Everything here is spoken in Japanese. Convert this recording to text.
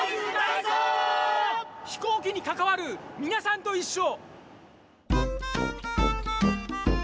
飛行機にかかわるみなさんといっしょ！